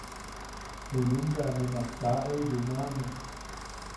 Junum bea nemak kaa eu yumane.